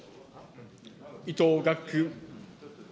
伊藤岳君。